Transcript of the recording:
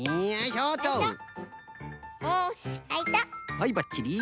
はいばっちり。